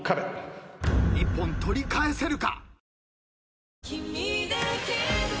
１本取り返せるか？